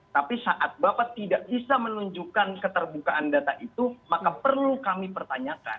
tapi saat bapak tidak bisa menunjukkan keterbukaan data itu maka perlu kami pertanyakan